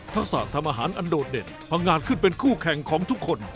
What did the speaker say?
ศาสตร์ทำอาหารอันโดดเด่นพังงานขึ้นเป็นคู่แข่งของทุกคน